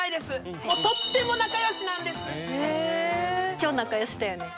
超仲良しだよね。